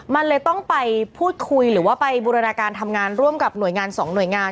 มันเลยต้องไปพูดคุยหรือว่าไปบูรณาการทำงานร่วมกับหน่วยงานสองหน่วยงาน